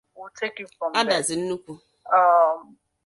Adazi Nnukwu